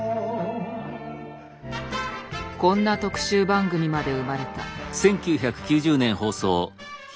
こんな特集番組まで生まれた。